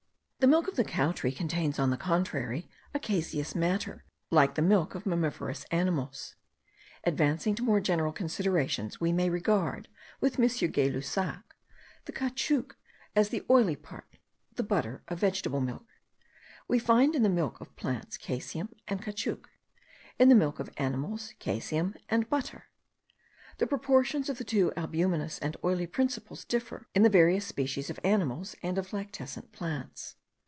The milk of the cow tree contains, on the contrary, a caseous matter, like the milk of mammiferous animals. Advancing to more general considerations, we may regard, with M. Gay Lussac, the caoutchouc as the oily part the butter of vegetable milk. We find in the milk of plants caseum and caoutchouc; in the milk of animals, caseum and butter. The proportions of the two albuminous and oily principles differ in the various species of animals and of lactescent plants.